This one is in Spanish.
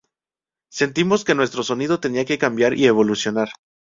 Sentimos que nuestro sonido tenía que cambiar y evolucionar".